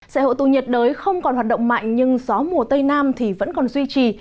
sẽ hộ tù nhiệt đới không còn hoạt động mạnh nhưng gió mùa tây nam thì vẫn còn duy trì